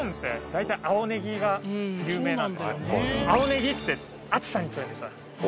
ねぎって青ねぎって暑さに強いんですよ